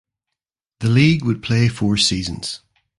The league would play four seasons.